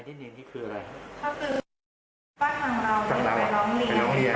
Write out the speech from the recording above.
ก็คือว่าทางเราอยู่ก่อนไปลองเรียน